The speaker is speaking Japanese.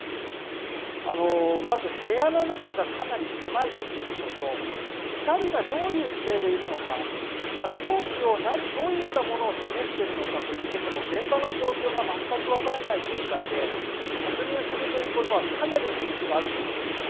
部屋の中がかなり狭いということと２人が、どういう姿勢でいるのか凶器もどういったものを示しているのか現場の状況が全く分からない状態で突入するということはかなりリスクがあると思うんですね。